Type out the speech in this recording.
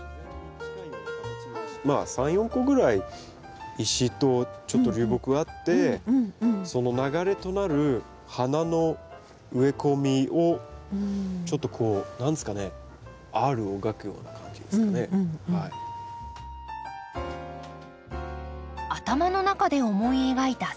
まあ３４個ぐらい石とちょっと流木があってその流れとなる花の植え込みをちょっとこう何ですかねＲを描くような感じですかねはい。